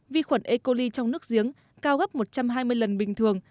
vi khuẩn e coli trong nước giếng cao gấp một trăm hai mươi lần bình thường